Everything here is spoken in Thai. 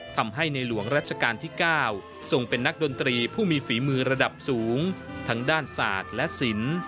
ทำให้ในหลวงรัชกาลที่๙ทรงเป็นนักดนตรีผู้มีฝีมือระดับสูงทั้งด้านศาสตร์และศิลป์